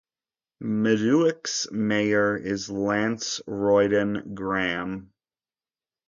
Meductic's mayor is Lance Royden Graham.